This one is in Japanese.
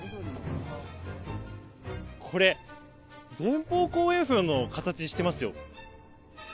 これ、前方後円墳の形してますよ。